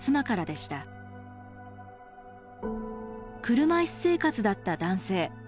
車いす生活だった男性。